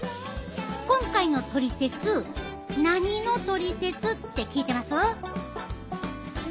今回の「トリセツ」何のトリセツって聞いてます？